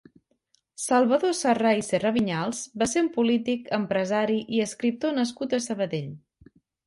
Salvador Sarrà i Serravinyals va ser un polític, empresari i escriptor nascut a Sabadell.